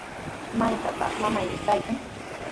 ¿Maytrawtaq mamayki kaykan?